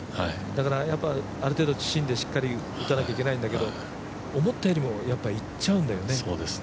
だから、ある程度、芯でしっかり打たないといけないんだけど思ったよりもいっちゃうんだよね。